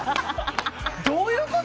どういうこと？